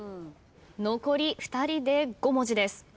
残り２人で５文字です。